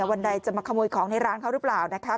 วันใดจะมาขโมยของในร้านเขาหรือเปล่านะคะ